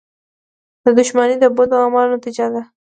• دښمني د بدو اعمالو نتیجه ده.